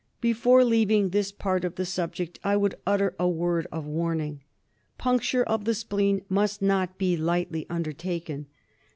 Before leaving this part of the subject I would utter a word of warning. Puncture of the spleen must not be lightly undertaken.